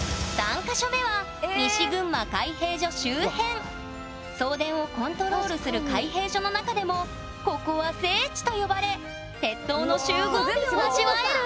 ３か所目は送電をコントロールする開閉所の中でもここは聖地と呼ばれ鉄塔の集合美を味わえる！